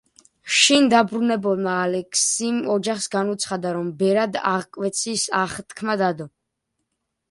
შინ დაბრუნებულმა ალექსიმ ოჯახს განუცხადა, რომ ბერად აღკვეცის აღთქმა დადო.